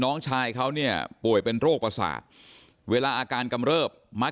ตอนนั้นเขาก็เลยรีบวิ่งออกมาดูตอนนั้นเขาก็เลยรีบวิ่งออกมาดู